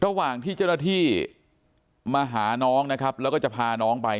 ระหว่างที่เจ้าหน้าที่มาหาน้องนะครับแล้วก็จะพาน้องไป